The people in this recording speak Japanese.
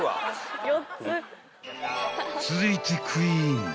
［続いてクイーン］